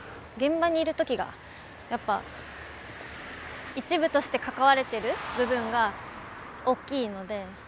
現場にいる時がやっぱ一部として関われている部分が大きいので。